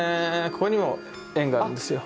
ここにも円があるんですよ。